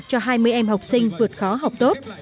cho hai mươi em học sinh vượt khó học tốt